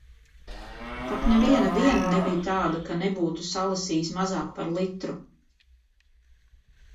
Tak neviena diena nebija tāda, ka nebūtu salasījis mazāk par litru.